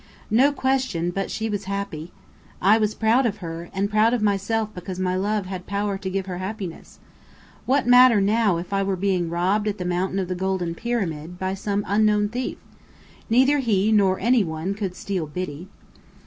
No question but she was happy! I was proud of her, and proud of myself because my love had power to give her happiness. What matter now if I were being robbed at the Mountain of the Golden Pyramid, by some unknown thief? Neither he nor any one could steal Biddy.